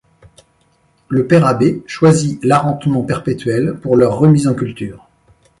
Le Père abbé choisit l'arrentement perpétuel pour leur remise en culture.